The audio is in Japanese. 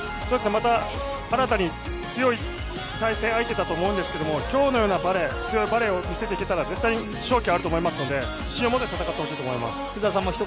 また新たに強い対戦相手だと思うんですけど今日のような強いバレーをみせていけたら絶対に勝機はあると思いますので自信を持って戦ってほしいと思います。